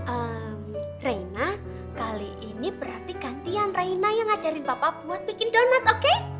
emm reina kali ini berarti gantian reina yang ngajarin papa buat bikin donat oke